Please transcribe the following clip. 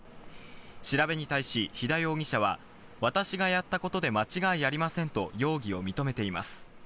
調べに対し肥田容疑者は、私がやったことで間違いありませんと容疑を認めています。